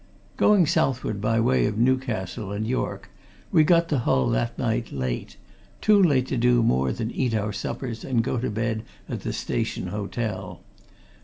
Going southward by way of Newcastle and York, we got to Hull that night, late too late to do more than eat our suppers and go to bed at the Station Hotel.